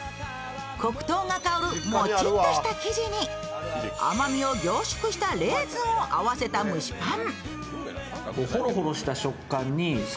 黒糖が香るもちっとした生地に甘みを凝縮したレーズンを合わせた蒸しパン。